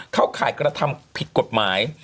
เข้าข่ายกระทำผิดกฎหมาย